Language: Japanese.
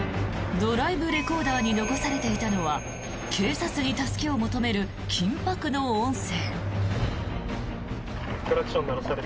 ドライブレコーダーに残されていたのは警察に助けを求める緊迫の音声。